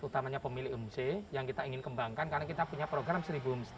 utamanya pemilik umc yang kita ingin kembangkan karena kita punya program seri bumstik